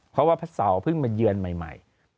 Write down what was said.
เพราะว่าพระเสาร์เพิ่งมาเยือนใหม่